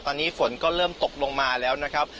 ตอนนี้ฝนก็เริ่มตกลงมาแล้วนะครับ